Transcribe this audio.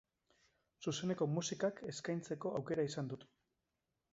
Zuzeneko musikak eskaintzeko aukera izan dut.